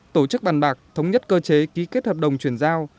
tổ chức bàn bạc thống nhất cơ chế ký kết hợp đồng chuyển giao